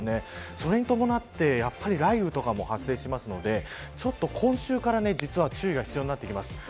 それに伴って雷雨とかも発生するので今週から実は注意が必要になってきます。